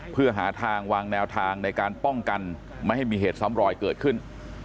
เพื่อหาทางวางแนวทางในการป้องกันไม่ให้มีเหตุซ้ำรอยเกิดขึ้น